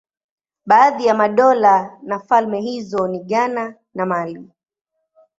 Baadhi ya madola na falme hizo ni Ghana na Mali.